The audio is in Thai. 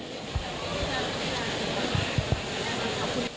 ขอบคุณครับ